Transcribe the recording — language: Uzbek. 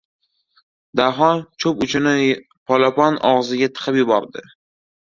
Daho cho‘p uchini polapon og‘ziga tiqib yubordi.